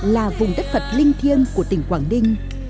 là vùng đất phật linh thiêng của tỉnh quảng ninh